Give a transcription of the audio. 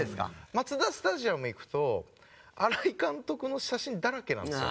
マツダスタジアム行くと新井監督の写真だらけなんですよ。